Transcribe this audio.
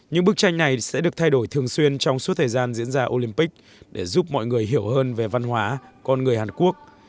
những bức tranh này sẽ được thay đổi thường xuyên trong suốt thời gian diễn ra olympic để giúp mọi người hiểu hơn về văn hóa con người hàn quốc